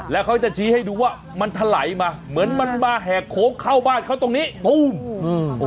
แล้วเขาจะชี้ให้ดูว่ามันถลายมาเหมือนมันมาแหกโค้งเข้าบ้านเขาตรงนี้ตู้มอืม